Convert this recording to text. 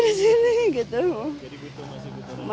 jadi butuh masih butuh relawan